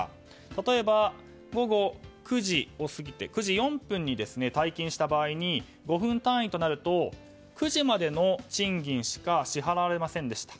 例えば、午後９時を過ぎて９時４分に退勤した場合に５分単位となると９時までの賃金しか支払われませんでした。